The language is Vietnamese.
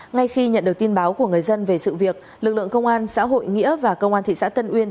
ngay khi nhận được tin báo của người dân về sự việc lực lượng công an xã hội nghĩa và công an thị xã tân uyên